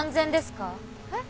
えっ？